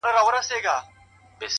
• په دامونو کي مرغان چي بندېدله ,